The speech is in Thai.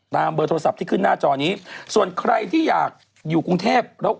เบอร์โทรศัพท์ที่ขึ้นหน้าจอนี้ส่วนใครที่อยากอยู่กรุงเทพแล้ว